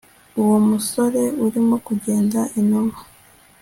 Uwo musore arimo kugenda inuma